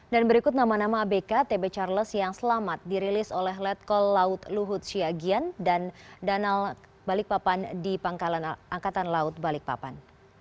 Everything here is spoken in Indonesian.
dan berikut nama nama abk tb charles yang selamat dirilis oleh letkol laut luhut siagian dan danal balikpapan di pangkalan angkatan laut balikpapan